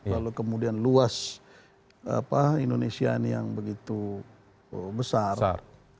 lalu kemudian luas indonesia ini yang begitu besar